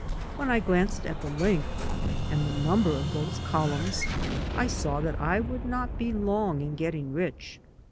When I glanced at the length and the number of those columns, I saw that I would not be long in getting rich.